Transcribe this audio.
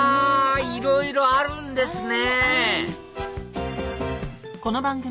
いろいろあるんですね